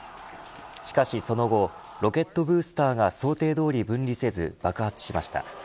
しかしその後ロケットブースターが想定どおり分離せず爆発しました。